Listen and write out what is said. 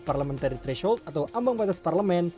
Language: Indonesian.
parliamentary threshold atau ambang batas parlemen